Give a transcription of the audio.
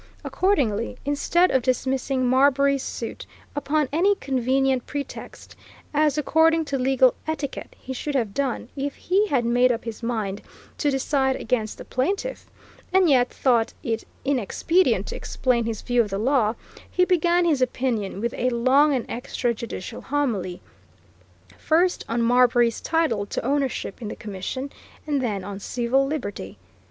Accordingly, instead of dismissing Marbury's suit upon any convenient pretext, as, according to legal etiquette, he should have done if he had made up his mind to decide against the plaintiff, and yet thought it inexpedient to explain his view of the law, he began his opinion with a long and extra judicial homily, first on Marbury's title to ownership in the commission, and then on civil liberty.